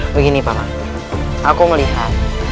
begini paman aku melihat